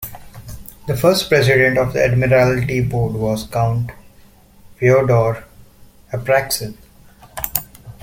The first president of the Admiralty Board was Count Fyodor Apraksin.